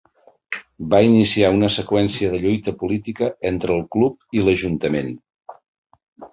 Va iniciar una seqüència de lluita política entre el club i l'ajuntament.